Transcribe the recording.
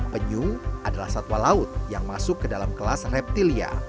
penyu adalah satwa laut yang masuk ke dalam kelas reptilia